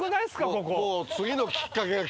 ここ。